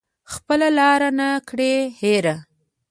خپله لاره نه کړي هیره